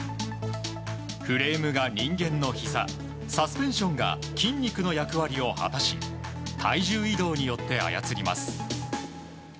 フレームが人間のひざサスペンションが筋肉の役割を果たし体重移動によって操ります。